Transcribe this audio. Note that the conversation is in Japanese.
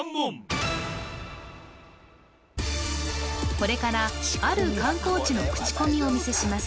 これからある観光地の口コミをお見せします